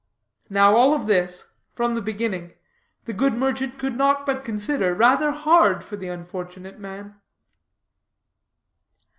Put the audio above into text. Now all of this, from the beginning, the good merchant could not but consider rather hard for the unfortunate man.